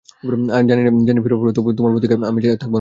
জানি ফিরে পাব না, তবু তোমার প্রতীক্ষায় আমি আছি, থাকব অনন্তকাল।